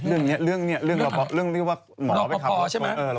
เรื่องนี้ว่าหมอไปขับรอปภใช่มั้ย